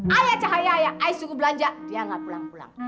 ayah cahaya saya suruh belanja dia gak pulang pulang